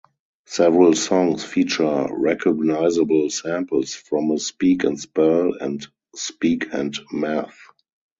Several songs feature recognizable samples from a Speak and Spell and Speak and Math.